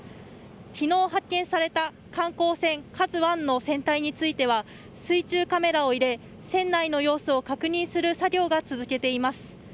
昨日発見された観光船「ＫＡＺＵ１」の船体については水中カメラを入れ船内の様子を確認する作業が続けてられています。